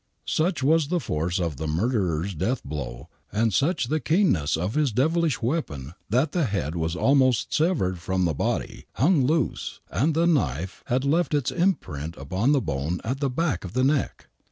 Such was the force of the murderer's death blow and such the keenness of his devilish weapon that the head was almost severed from the body, hung loose, and the knife had left its imprint upon the bone at the back of the neck.